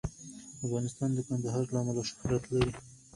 افغانستان د کندهار له امله شهرت لري.